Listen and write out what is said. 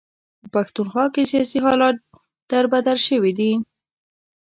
په پښتونخوا کې سیاسي حالات در بدر شوي دي.